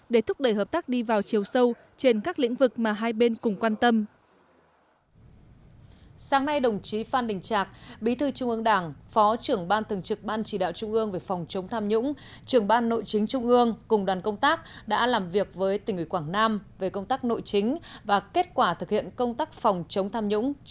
để thúc đẩy hợp tác đi vào chiều sâu trên các lĩnh vực mà hai bên cùng quan tâm